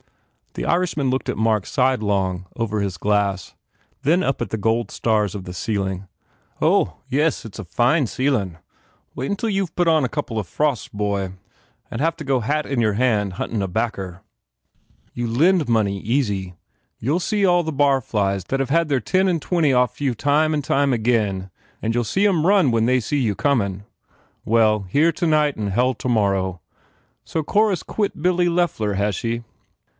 The Irishman looked at Mark sidelong over his 68 FULL BLOOM glass, then up at the gold stars of the ceiling. "Ho! Yes, it s a fine fcelin . Well, wait until youVe put on a couple of frosts, bhoy ! And have to go hat in your hand huntin a backer. You lend money, easy. You ll see all the barflies thatVe had their ten and their twenty oft you time and again You ll see em run when they see you comin . Well, here tonight and hell tomorrow. So Cora s quit Billy Loeffler, has she?